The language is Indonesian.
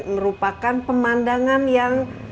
merupakan pemandangan yang